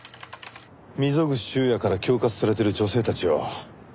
溝口修也から恐喝されてる女性たちを見つけた。